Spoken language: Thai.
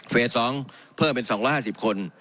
๒เพิ่มเป็น๒๕๐คน